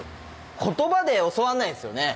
言葉で教わらないですよね。